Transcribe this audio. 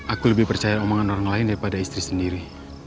aku lebih percaya omongan orang lain daripada istri sendiri